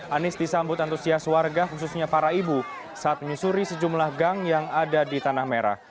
anies disambut antusias warga khususnya para ibu saat menyusuri sejumlah gang yang ada di tanah merah